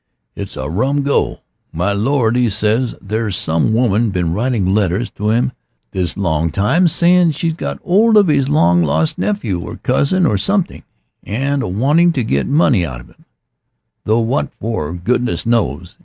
It's a rum go. My lord 'e says there's some woman been writing letters to 'im this long time saying she'd got 'old of 'is long lost nephew or cousin or something, and a wanting to get money out of him though what for, goodness knows.